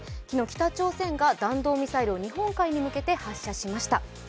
昨日、北朝鮮が弾道ミサイルを日本海に向けて発射しました。